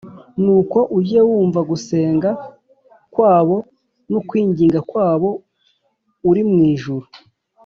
nuko ujye wumva gusenga kwabo no kwinginga kwabo uri mu ijuru,